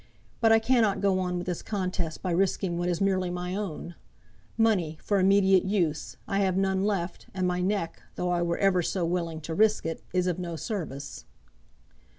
But I cannot go on with this contest by risking what is merely my own. Money, for immediate use, I have none left, and my neck, though I were ever so willing to risk it, is of no service."